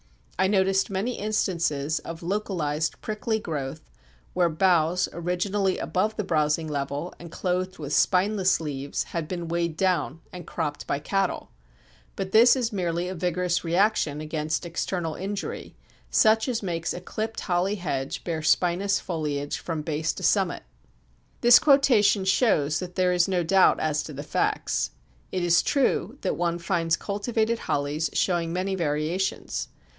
I noticed many instances of localised prickly growth where boughs, originally above the browsing level, and clothed with spineless leaves, had been weighed down and cropped by cattle. But this is merely a vigorous reaction against external injury, such as makes a clipped holly hedge bear spinous foliage from base to summit." Memories of the Months, Third Series, p. 366. This quotation shows that there is no doubt as to the facts. It is true that one finds cultivated hollies showing many variations.